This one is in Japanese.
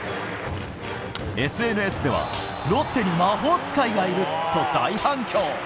ＳＮＳではロッテに魔法使いがいると大反響。